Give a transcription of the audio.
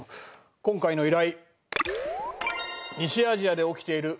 今回の依頼。